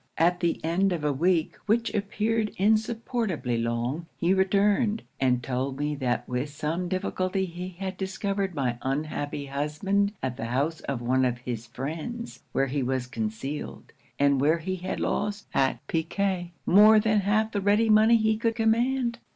'At the end of a week, which appeared insupportably long, he returned, and told me that with some difficulty he had discovered my unhappy husband at the house of one of his friends, where he was concealed, and where he had lost at picquet more than half the ready money he could command.